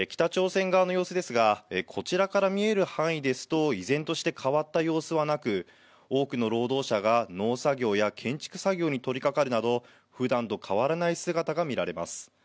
北朝鮮側の様子ですが、こちらから見える範囲ですと、依然として変わった様子はなく、多くの労働者が農作業や建築作業に取りかかるなど、ふだんと変わらない姿が見られます。